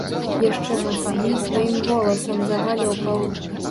Яшчэ мацней сваім голасам загалёкаў.